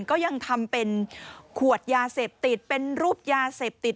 ก็ยังทำเป็นขวดยาเสพติดเป็นรูปยาเสพติด